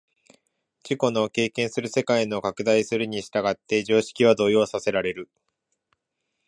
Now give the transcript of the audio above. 自己の経験する世界の拡大するに従って常識は動揺させられる。